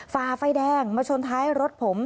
ฝ่าไฟแดงมาชนท้ายรถผม